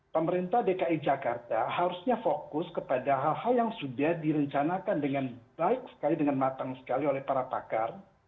pemerintah dki jakarta harusnya fokus kepada hal hal yang sudah direncanakan dengan baik sekali dengan matang sekali oleh para pakar